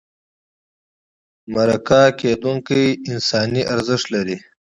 مرکه کېدونکی انساني ارزښت لري.